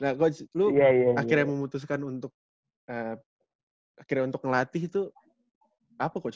nah coach lu akhirnya memutuskan untuk ngelatih tuh apa coach